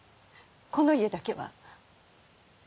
この家だけは。